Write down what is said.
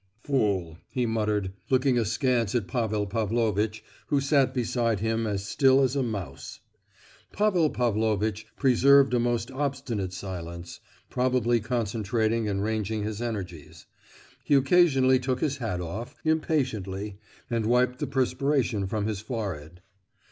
"Fool!" he muttered—looking askance at Pavel Pavlovitch, who sat beside him as still as a mouse. Pavel Pavlovitch preserved a most obstinate silence—probably concentrating and ranging his energies. He occasionally took his hat off, impatiently, and wiped the perspiration from his forehead.